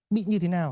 bị như thế nào